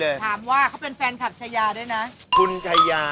ถามว่าเขาเป็นแฟนคลับชัยาด้วยนะ